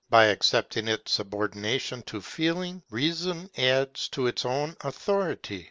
By accepting its subordination to Feeling, Reason adds to its own authority.